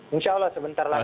insya allah sebentar lagi